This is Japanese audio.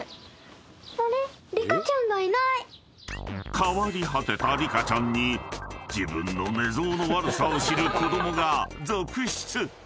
［変わり果てたリカちゃんに自分の寝相の悪さを知る子供が続出！］